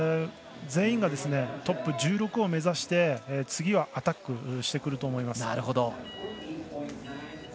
全員がトップ１６を目指して次はアタックしてくると思います。